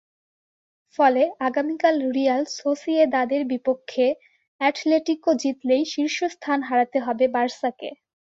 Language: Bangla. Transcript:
ফলে আগামীকাল রিয়াল সোসিয়েদাদের বিপক্ষে অ্যাটলেটিকো জিতলেই শীর্ষ স্থান হারাতে হবে বার্সাকে।